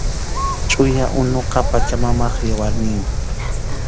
Chʼuya unuqa Pachamamap yawarninmi